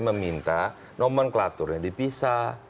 meminta nomenklaturnya dipisah